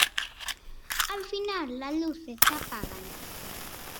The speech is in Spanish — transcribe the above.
Al final, las luces se apagan.